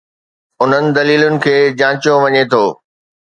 انهن دليلن کي جانچيو وڃي ٿو.